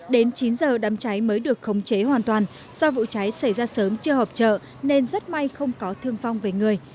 đến chín giờ đám cháy mới được khống chế hoàn toàn do vụ cháy xảy ra sớm chưa hợp trợ nên rất may không có thương phong về người